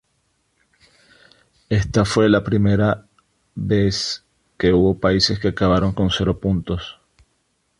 Esta fue la primera vez que hubo países que acabaron con cero puntos.